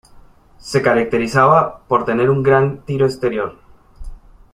Se caracterizaba por tener un gran tiro exterior.